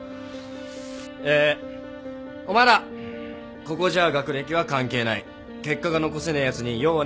えお前らここじゃあ学歴は関係ない結果が残せねえやつに用はねえからな